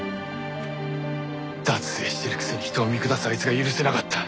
脱税してるくせに人を見下すあいつが許せなかった。